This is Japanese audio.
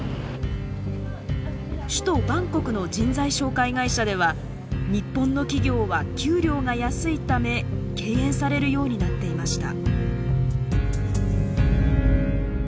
首都バンコクの人材紹介会社では日本の企業は「給与が安い」ため敬遠されるようになっていました。